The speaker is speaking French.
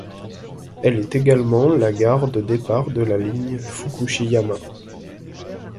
Elle est également la gare de départ de la ligne Fukuchiyama.